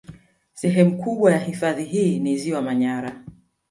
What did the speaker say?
Sehemu kubwa ya hifadhi hii ni ziwa Manyara